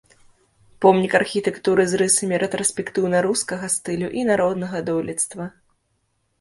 Помнік архітэктуры з рысамі рэтраспектыўна-рускага стылю і народнага дойлідства.